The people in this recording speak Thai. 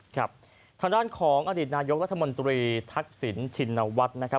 ทางด้านของอดีตนายกรัฐมนตรีทักษิณชินวัฒน์นะครับ